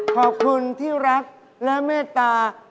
ขอบคุณที่รักและเมตตา